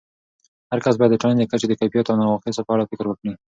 هرکس باید د ټولنې د کچو د کیفیاتو او نواقصو په اړه فکر وکړي.